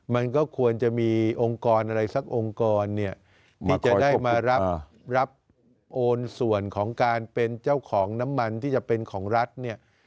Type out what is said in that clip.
มันก็ควรจะมีองค์กรอะไรสักองค์กรเนี่ยที่จะได้มารับโอนส่วนของการเป็นเจ้าของน้ำมันที่จะเป็นของรัฐเนี่ย